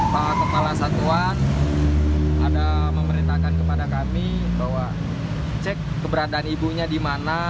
pak kepala satuan ada memerintahkan kepada kami bahwa cek keberadaan ibunya di mana